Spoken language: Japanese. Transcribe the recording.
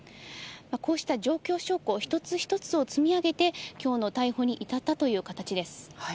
こうした状況証拠一つ一つを積み上げて、きょうの逮捕に至ったという形です。